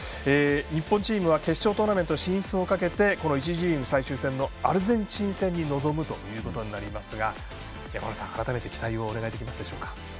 日本チームは決勝トーナメント進出をかけてこの１次リーグ最終戦のアルゼンチン戦に臨むということになりますが山村さん、改めて期待をお願いできますでしょうか。